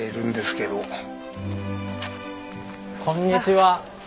こんにちは。